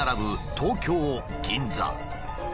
東京銀座。